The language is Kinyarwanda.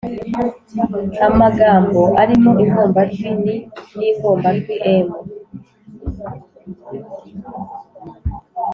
-amagambo arimo ingombajwi n, n’ingombajwi m